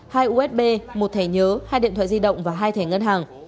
hai usb một thẻ nhớ hai điện thoại di động và hai thẻ ngân hàng